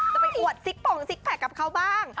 จะไปอวดสิ๊กปลงสิ๊กแพ็กของเขาบ้าง